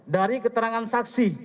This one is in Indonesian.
dari keterangan saksi